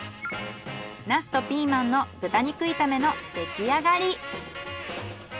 ナスとピーマンの豚肉炒めのできあがり。